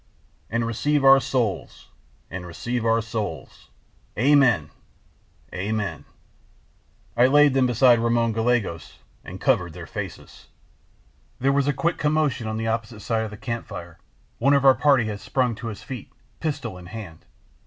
"'And receive our souls.' "'And receive our souls.' "'Amen!' "'Amen!' "I laid them beside Ramon Gallegos and covered their faces." There was a quick commotion on the opposite side of the campfire: one of our party had sprung to his feet, pistol in hand.